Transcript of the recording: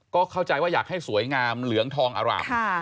ก็เข้าใจว่าอยากให้สวยงามเหลืองทองอร่ำ